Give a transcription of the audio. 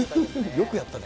よくやったね。